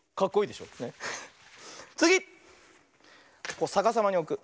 こうさかさまにおく。